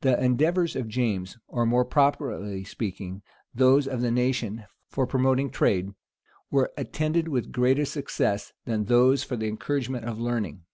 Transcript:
The endeavors of James, or, more properly speaking, those of the nation, for promoting trade, were attended with greater success than those for the encouragement of learning.